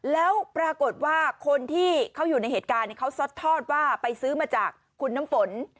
แล้วปรากฏว่าคนที่เขาอยู่ในเหตุการณ์เขาซัดทอดว่าไปซื้อมาจากคุณน้ำฝน